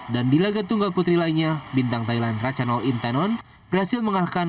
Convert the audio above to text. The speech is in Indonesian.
dan di laga tunggal putri lainnya bintang thailand ratchanol intanon berhasil mengalahkan